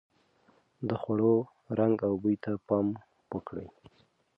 د خوړو رنګ او بوی ته پام وکړئ.